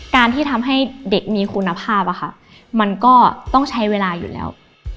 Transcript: การที่ทำให้เด็กมีคุณภาพมันก็ต้องใช้เวลาอยู่แล้ว